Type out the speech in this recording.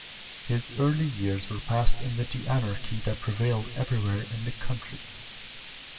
His early years were passed amid the anarchy that prevailed everywhere in the country.